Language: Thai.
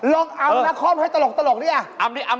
ลองอำณคอมให้ตลกดิอ่ะอำด้วย